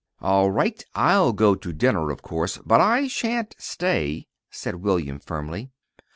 "All right, I'll go to dinner, of course; but I sha'n't stay," said William, firmly.